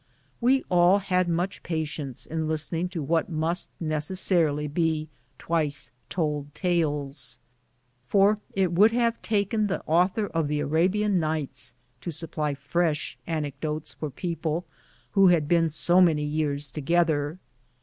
We all liad much patience in listening to what must CAVALRY ON THE MARCH. 45 necessarily be "twice told tales," for it would have taken the author of "The Arabian Nights" to supply fresh anecdotes for people who had been so many years to gether.